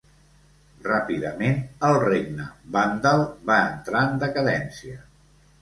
Ràpidament el regne vàndal va entrar en decadència.